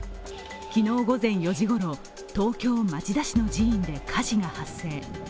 昨日午前４時ごろ、東京・町田市の寺院で火事が発生。